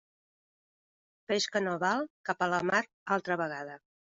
Peix que no val, cap a la mar altra vegada.